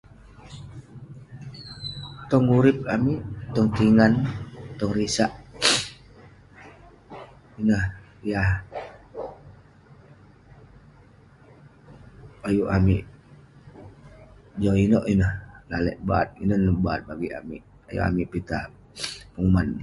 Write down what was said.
Tong urip amik, tong tingan, tong risak, sniff ineh yah ayuk amik jam inouk ineh. Lalek bat, ineh neh bat bagik bat bagik amik, ayuk amik pitah penguman.